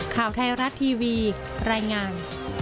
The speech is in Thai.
ข่าวไทยรัฐทีวีรายงาน